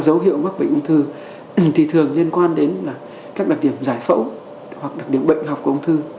dấu hiệu mắc bệnh ung thư thì thường liên quan đến là các đặc điểm giải phẫu hoặc đặc điểm bệnh học của ung thư